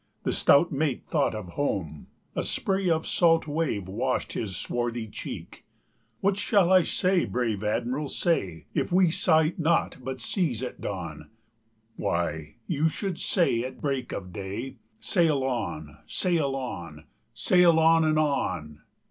The stout mate thought of home; a spray Of salt wave washed his swarthy cheek. "What shall I say, brave Admiral, say, If we sight naught but seas at dawn?" "Why, you shall say at break of day: 'Sail on! sail on! sail on! and on!